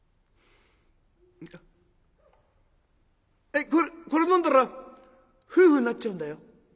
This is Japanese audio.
えっこれこれ飲んだら夫婦になっちゃうんだよ？